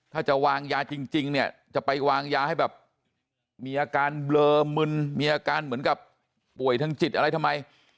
ถ้าจะวางยาจริงเนี่ยจะไปวางยาให้แบบมีอาการเบลอมึนมีอาการเหมือนกับป่วยทางจิตอะไรทำไม